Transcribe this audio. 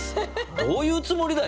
どういうつもりだよ。